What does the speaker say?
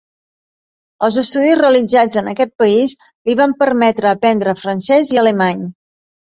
Els estudis realitzats en aquest país li van permetre aprendre francès i alemany.